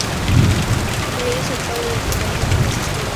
Es el padre de la cantante Francisca Valenzuela.